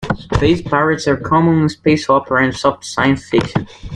Space pirates are common in space opera and soft science fiction.